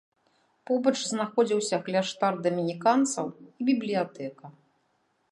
Побач знаходзіўся кляштар дамініканцаў і бібліятэка.